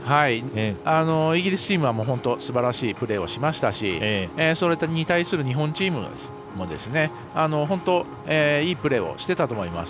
イギリスチームは本当にすばらしいプレーをしましたしそれに対する日本チームも本当にいいプレーをしていたと思います。